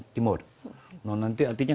timur nah nanti artinya